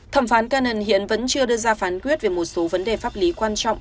thẩm phán canon hiện vẫn chưa đưa ra phán quyết về một số vấn đề pháp lý quan trọng